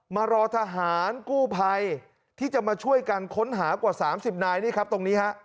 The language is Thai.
มารอทหารกู้ภัยที่จะมาช่วยกันค้นหากว่า๓๐นายนี่ครับตรงนี้ฮะ